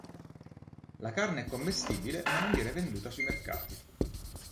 La carne è commestibile ma non viene venduta sui mercati.